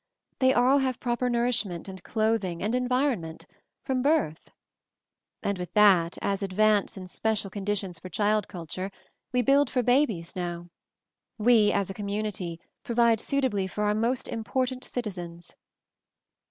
They all have proper nourishment, and clothing, and en vironment — from birth. "And with that, as advance in special con ditions for child culture, we build for babies now. We, as a community, provide suitably for our most important citizens."